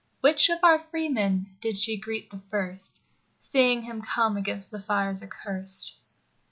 Which of our freemen did she greet the first, Seeing him come against the fires accurst?